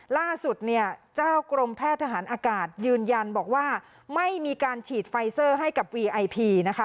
ล่าสุดเนี่ยเจ้ากรมแพทย์ทหารอากาศยืนยันบอกว่าไม่มีการฉีดไฟเซอร์ให้กับวีไอพีนะคะ